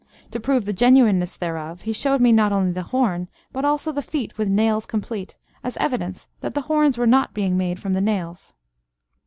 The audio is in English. To prove the genuineness thereof, he showed me not only the horn, but also the feet with nails complete, as evidence that the horns were not made from the nails.